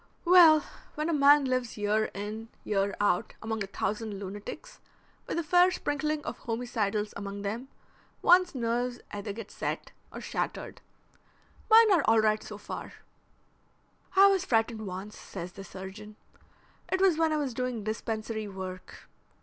"Well, when a man lives year in year out among a thousand lunatics, with a fair sprinkling of homicidals among them, one's nerves either get set or shattered. Mine are all right so far." "I was frightened once," says the surgeon. "It was when I was doing dispensary work.